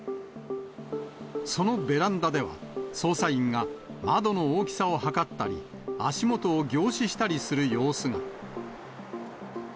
そのベランダでは、捜査員が窓の大きさを測ったり、足元を凝視したりする様子が。